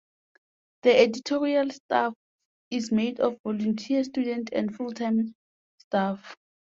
The editorial staff is made of volunteer students and full-time staff.